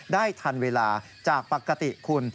ได้ทันเวลาจากปกติคุณ